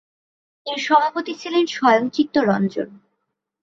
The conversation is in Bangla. এর সভাপতি ছিলেন স্বয়ং চিত্তরঞ্জন।